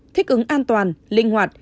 thích ứng an toàn linh hoạt